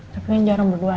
tapi ini jarum berdua